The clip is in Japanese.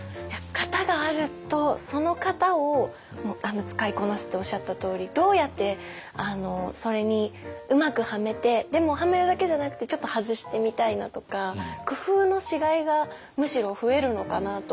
型があるとその型を使いこなすっておっしゃったとおりどうやってそれにうまくはめてでもはめるだけじゃなくてちょっと外してみたいなとか工夫のしがいがむしろ増えるのかなと。